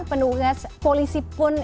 penugas polisi pun